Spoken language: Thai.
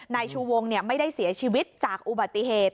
นายชูวงไม่ได้เสียชีวิตจากอุบัติเหตุ